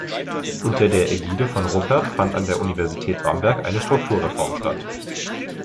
Unter der Ägide von Ruppert fand an der Universität Bamberg eine Strukturreform statt.